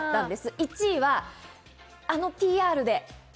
１位は、あのＰＲで。